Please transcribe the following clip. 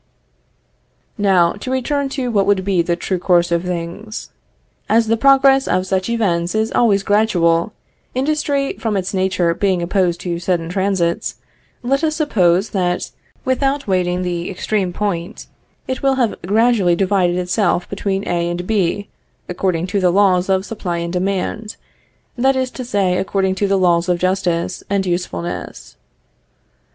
Now, to return to what would be the true course of things. As the progress of such events is always gradual, industry from its nature being opposed to sudden transits, let us suppose that, without waiting the extreme point, it will have gradually divided itself between A and B, according to the laws of supply and demand; that is to say, according to the laws of justice and usefulness.